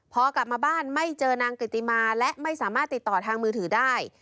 พอกลับมาบ้านไม่เจอนางกริติมาและไม่สามารถติดต่อทางมือถือได้